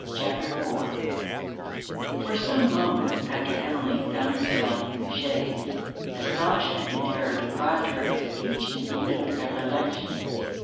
CHAPTER IV For some moments after Emmeline found herself in the chaise, astonishment and terror deprived her of speech and even of recollection.